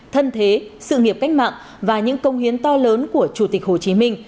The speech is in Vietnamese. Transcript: thân thế sự nghiệp cách mạng và những công hiến to lớn của chủ tịch hồ chí minh